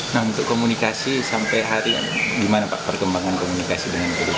nah untuk komunikasi sampai hari bagaimana pak perkembangan komunikasi dengan pdip